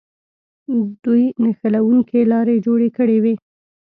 دوی نښلوونکې لارې جوړې کړې وې.